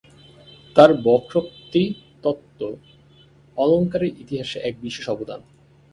তাঁর বক্রোক্তিতত্ত্ব অলঙ্কারের ইতিহাসে এক বিশেষ অবদান।